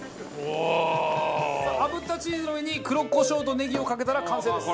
あぶったチーズの上に黒コショウとネギをかけたら完成です。